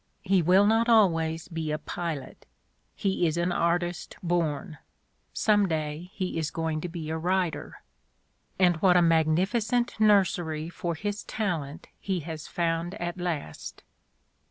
He will not always be a pilot; he is an artist born ; some day he is going to be a writer. And what a magnificent nursery for his talent he has found at last!